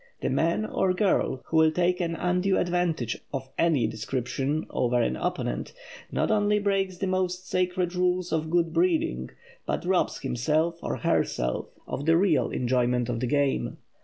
The man or girl who will take an undue advantage of any description over an opponent, not only breaks the most sacred rules of good breeding, but robs himself or herself of the real enjoyment of the game.